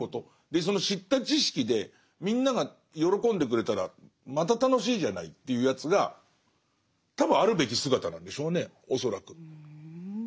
でその知った知識でみんなが喜んでくれたらまた楽しいじゃないっていうやつが多分あるべき姿なんでしょうね恐らく。